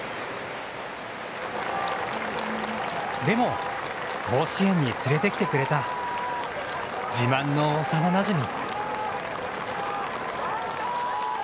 でも、甲子園に連れてきてくれた自慢の幼なじみ。